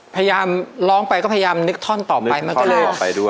พยายามร้องไปก็พยายามนึกท่อนต่อไป